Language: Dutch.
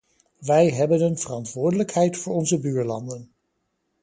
Wij hebben een verantwoordelijkheid voor onze buurlanden.